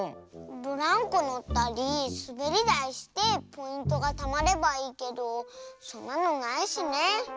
ブランコのったりすべりだいしてポイントがたまればいいけどそんなのないしね。